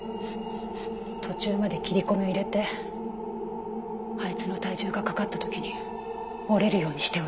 途中まで切り込みを入れてあいつの体重がかかった時に折れるようにしておいた。